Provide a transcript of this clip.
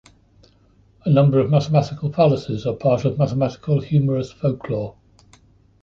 A number of mathematical fallacies are part of mathematical humorous folklore.